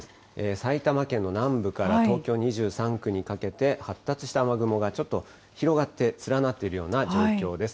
埼玉県の南部から東京２３区にかけて、発達した雨雲がちょっと広がって、連なっているような状況です。